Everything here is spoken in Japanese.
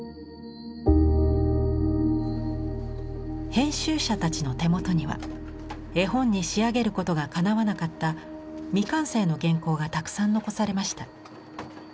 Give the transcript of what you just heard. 編集者たちの手元には絵本に仕上げることがかなわなかった未完成の原稿がたくさん残されました。